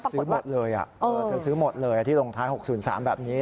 ซื้อหมดเลยเธอซื้อหมดเลยที่ลงท้าย๖๐๓แบบนี้